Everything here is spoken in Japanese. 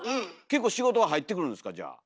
結構仕事は入ってくるんですかじゃあ。